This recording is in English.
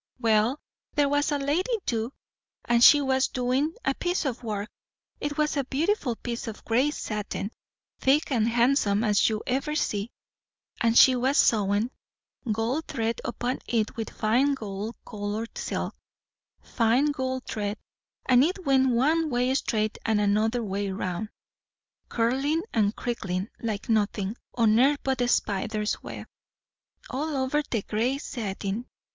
"Well, there was a lady too; and she was doin' a piece o' work. It was a beautiful piece of grey satin; thick and handsome as you ever see; and she was sewin' gold thread upon it with fine gold coloured silk; fine gold thread; and it went one way straight and another way round, curling and crinkling, like nothin' on earth but a spider's web; all over the grey satin.